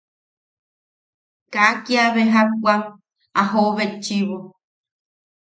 Kaa kiabe jak wam a jooʼo betchiʼibo.